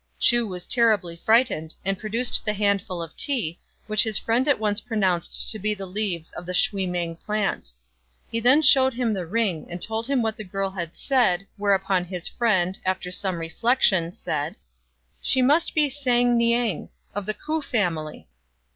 Chu was terribly frightened, and produced the handful of tea, which his friend at once pronounced to be leaves of the shui mang plant. He then shewed him the ring, and told him what the girl had said ; whereupon his friend, after some reflection, said, " She must be San niang, of the K'ou family."